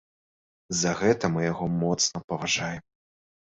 За гэта мы яго моцна паважаем.